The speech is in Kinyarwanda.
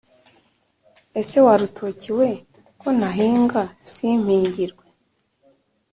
Ese wa rutoki we ko ntahinga simpingirwe,